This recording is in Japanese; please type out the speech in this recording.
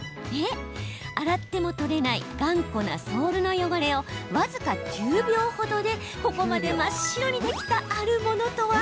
洗っても取れない頑固なソールの汚れを僅か１０秒ほどで、ここまで真っ白にできたあるものとは？